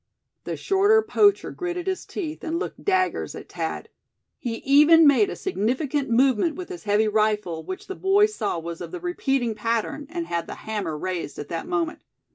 The shorter poacher gritted his teeth, and looked daggers at Thad. He even made a significant movement with his heavy rifle, which the boy saw was of the repeating pattern, and had the hammer raised at that moment.